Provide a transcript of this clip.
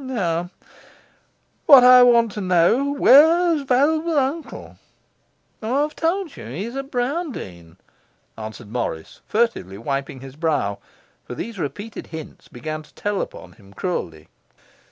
Now, what I want to know: where's valuable uncle?' 'I have told you: he is at Browndean,' answered Morris, furtively wiping his brow, for these repeated hints began to tell upon him cruelly.